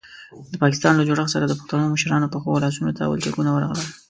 د پاکستان له جوړښت سره د پښتنو مشرانو پښو او لاسونو ته ولچکونه ورغلل.